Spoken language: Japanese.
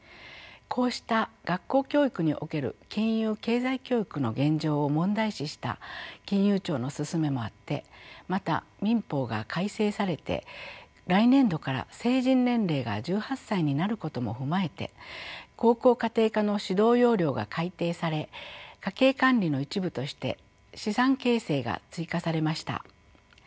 こうした学校教育における金融・経済教育の現状を問題視した金融庁の勧めもあってまた民法が改正されて来年度から成人年齢が１８歳になることも踏まえて高校家庭科の指導要領が改定され家計管理の一部として資産形成が追加されました。